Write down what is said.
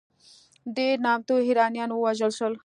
ډېر نامتو ایرانیان ووژل شول.